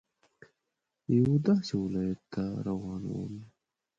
یوه داسې ولايت ته روان وم.